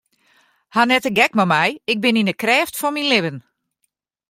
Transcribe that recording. Haw net de gek mei my, ik bin yn de krêft fan myn libben.